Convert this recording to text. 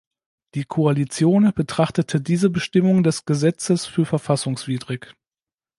Die Koalition betrachtete diese Bestimmung des Gesetzes für verfassungswidrig.